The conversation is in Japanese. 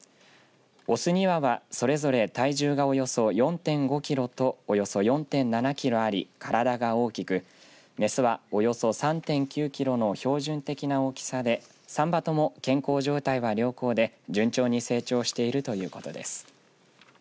雄２羽は、それぞれ体重がおよそ４．５キロとおよそ４．７キロあり体が大きく雌はおよそ３．９キロの標準的な大きさで３羽とも健康状態は良好で順調に成長しているということです。